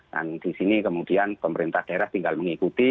dan disini kemudian pemerintah daerah tinggal mengikuti